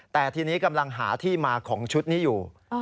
แต่ทีนี้กำลังหาที่มาของชุดนี้อยู่